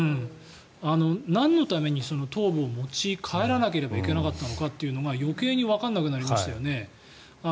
なんのために頭部を持ち帰らなければいけなかったのかというのが余計にわからなくなりましたよね。